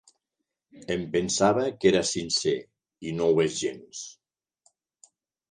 Em pensava que era sincer, i no ho és gens.